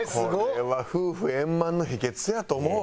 これは夫婦円満の秘訣やと思うわ。